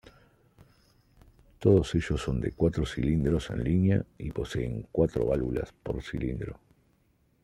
Todos ellos son de cuatro cilindros en línea y poseen cuatro válvulas por cilindro.